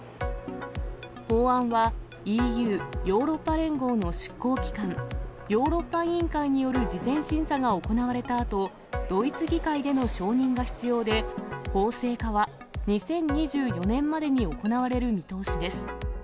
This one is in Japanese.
法案は、ＥＵ・ヨーロッパ連合の執行機関、ヨーロッパ委員会による事前審査が行われたあと、ドイツ議会での承認が必要で、法制化は２０２４年までに行われる見通しです。